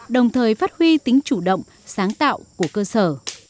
đồng thời phát huy tính chủ động sáng tạo của cơ sở